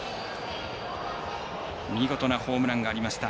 見事なホームランがありました。